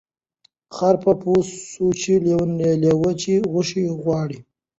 خر په پوه سوچی لېوه یې غوښي غواړي